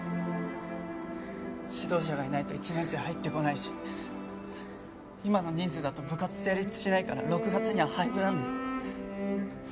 指導者がいないと１年生入ってこないし今の人数だと部活成立しないから６月には廃部なんです。